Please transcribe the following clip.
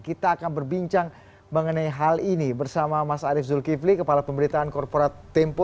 kita akan berbincang mengenai hal ini bersama mas arief zulkifli kepala pemberitaan korporat tempo